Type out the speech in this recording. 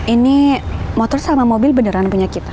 ini motor sama mobil beneran punya kita